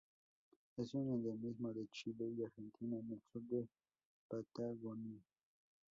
Es un endemismo de Chile y Argentina en el sur de Patagonia.